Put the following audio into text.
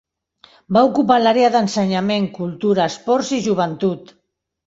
Va ocupar l'àrea d'Ensenyament, Cultura, Esports i Joventut.